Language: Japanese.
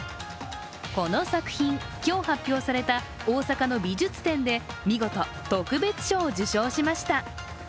この作品、今日発表された大阪の美術展で見事、特別賞を受賞しました。